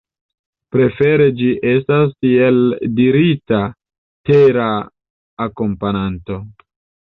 Prefere ĝi estas tiel dirita tera akompananto.